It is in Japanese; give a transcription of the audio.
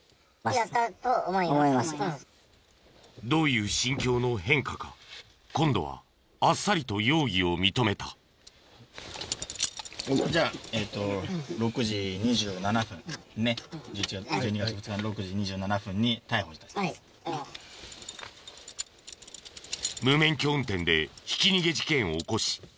どういう心境の変化か今度はあっさりと無免許運転でひき逃げ事件を起こし